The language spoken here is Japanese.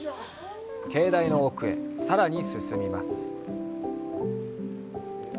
境内の奥へ、さらに進みます。